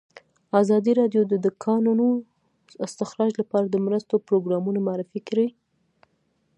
ازادي راډیو د د کانونو استخراج لپاره د مرستو پروګرامونه معرفي کړي.